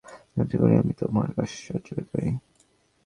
যাতে করে আমি তোমার কাছ সাহায্য পেতে পারি।